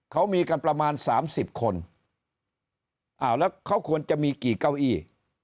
เขามีกันประมาณสามสิบคนอ้าวแล้วเขาควรจะมีกี่เก้าอี้